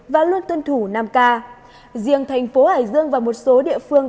và luôn tuân thủ năm k riêng thành phố hải dương và một số địa phương